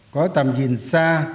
có tầm nhìn xa